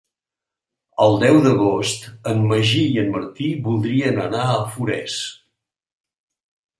El deu d'agost en Magí i en Martí voldrien anar a Forès.